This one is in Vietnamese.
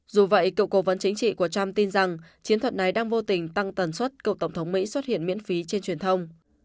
dù vậy cựu cố vấn chính trị của trump tin rằng chiến thuật này đang vô tình tăng tần suất cựu tổng thống mỹ xuất hiện miễn phí trên truyền thông